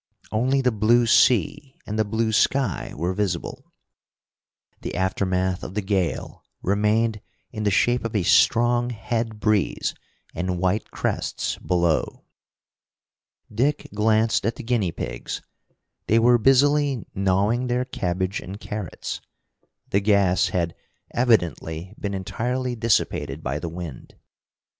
Only the blue sea and the blue sky were visible The aftermath of the gale remained in the shape of a strong head breeze and white crests below. Dick glanced at the guinea pigs. They were busily gnawing their cabbage and carrots. The gas had evidently been entirely dissipated by the wind.